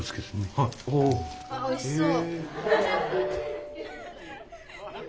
あっおいしそう。